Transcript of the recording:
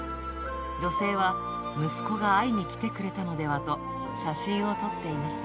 女性は息子が会いに来てくれたのではと、写真を撮っていました。